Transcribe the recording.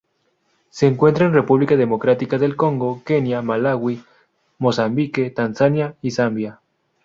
Se encuentra en República Democrática del Congo, Kenia, Malaui, Mozambique, Tanzania y Zambia.